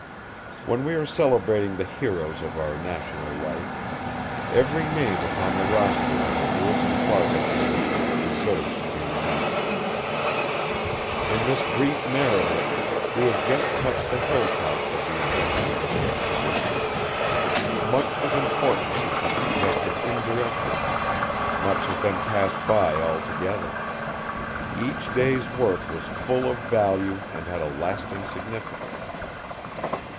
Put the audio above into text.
When we are celebrating the heroes of our national life, every name upon the roster of the Lewis and Clark Expedition deserves to be remembered. In this brief narrative, we have just touched the hilltops of the adventures of the expedition. Much of importance has been suggested indirectly; much has been passed by altogether. Each day's work was full of value and had a lasting significance.